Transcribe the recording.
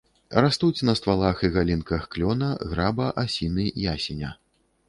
Растуць на ствалах і галінках клёна, граба, асіны, ясеня.